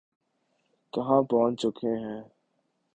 کہاں پہنچ چکے ہیں۔